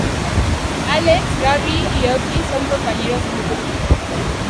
Àlex, Gabi y Oki son compañeros de instituto.